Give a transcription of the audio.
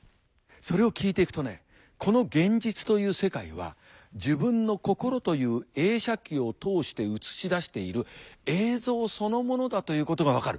それを聞いていくとねこの現実という世界は自分の心という映写機を通して映し出している映像そのものだということが分かる。